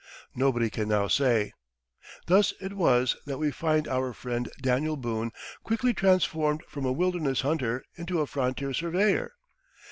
Nobody can now say. Thus it was that we find our friend Daniel Boone quickly transformed from a wilderness hunter into a frontier surveyor.